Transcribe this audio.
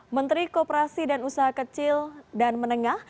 menteri kooperasi dan usaha kecil dan menengah